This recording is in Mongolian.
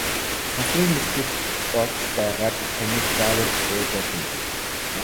Сансрын нисэгч болж байгаад таныг заавал уйлуулна!